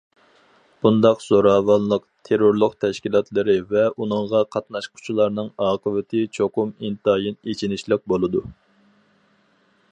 بۇنداق زوراۋانلىق، تېررورلۇق تەشكىلاتلىرى ۋە ئۇنىڭغا قاتناشقۇچىلارنىڭ ئاقىۋىتى چوقۇم ئىنتايىن ئېچىنىشلىق بولىدۇ.